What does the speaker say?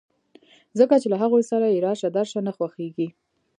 ځکه چې له هغوی سره یې راشه درشه نه خوښېږي